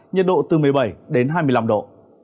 nhiệt độ từ một mươi bảy đến hai mươi năm độ